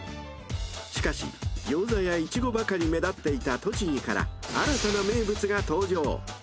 ［しかし餃子やイチゴばかり目立っていた栃木から新たな名物が登場］